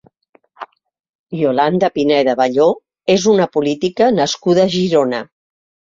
Iolanda Pineda Balló és una política nascuda a Girona.